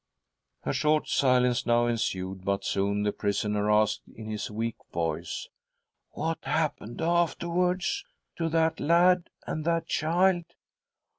A short silence now ensued, but soon the prisoner asked in his weak voice :" What happened' afterwards to that lad, and that child